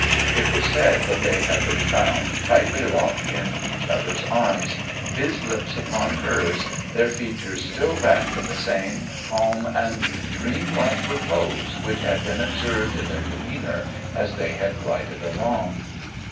It was said that they had been found tightly locked in each other's arms, his lips upon hers, their features still wrapt in the same calm and dream like repose which had been observed in their demeanour as they had glided along.